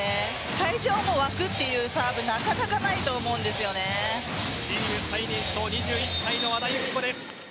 会場も沸くっていうサーブチーム最年少２１歳の和田由紀子です。